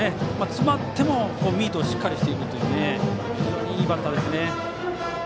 詰まってもミートをしっかりするという非常にいいバッターです。